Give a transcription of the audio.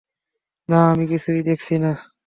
না, আমি কিছুই দেখছি না।